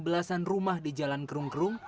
belasan rumah di jalan kerung kerung